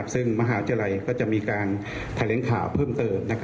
ซึ่งมหาวิทยาลัยก็จะมีการแถลงข่าวเพิ่มเติม